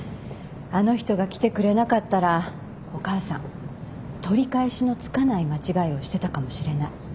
あの人が来てくれなかったらお母さん取り返しのつかない間違いをしてたかもしれない。